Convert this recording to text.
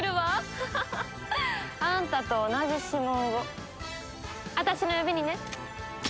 ハハハッ！あんたと同じ指紋を私の指にね。